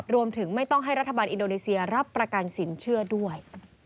ไม่ต้องให้รัฐบาลอินโดนีเซียรับประกันสินเชื่อด้วย